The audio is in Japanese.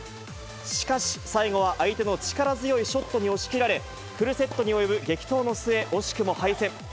しかし、最後は相手の力強いショットに押し切られ、フルセットに及ぶ激闘の末、惜しくも敗戦。